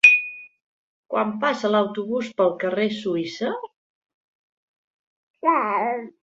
Quan passa l'autobús pel carrer Suïssa?